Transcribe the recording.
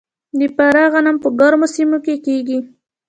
د فراه غنم په ګرمو سیمو کې کیږي.